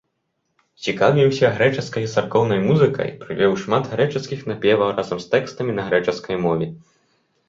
Цікавіўся грэчаскай царкоўнай музыкай, прывёў шмат грэчаскіх напеваў разам з тэкстамі на грэчаскай мове.